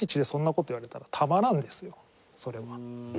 それは。